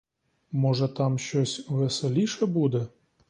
Може, там щось веселіше буде.